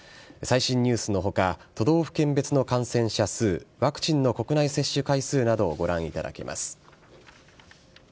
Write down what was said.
最新ニュースのほか、都道府県別の感染者数、ワクチンの国内接種回数などをご覧いただけます。